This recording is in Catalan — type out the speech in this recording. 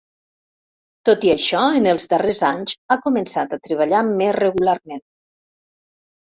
Tot i això, en els darrers anys ha començat a treballar més regularment.